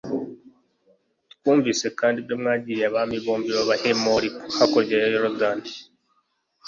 twumvise kandi n'ibyo mwagiriye abami bombi b'abahemori hakurya ya yorudani